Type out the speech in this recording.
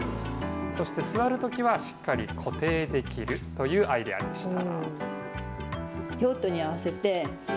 そして座るときはしっかり固定できるというアイデアでした。